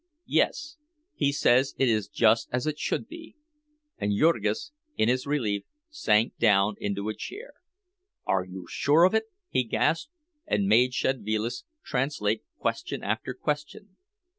"Yes, he says it is just as it should be." And Jurgis, in his relief, sank down into a chair. "Are you sure of it?" he gasped, and made Szedvilas translate question after question.